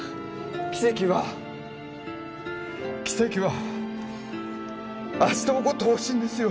奇跡は奇跡は明日起こってほしいんですよ